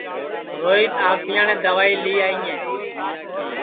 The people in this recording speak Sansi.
روہیت آوتیاٹؔے دئوائی لی آئیئے